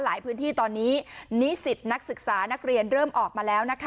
พื้นที่ตอนนี้นิสิตนักศึกษานักเรียนเริ่มออกมาแล้วนะคะ